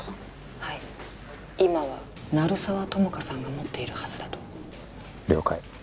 ☎はい今は鳴沢友果さんが持っているはずだと了解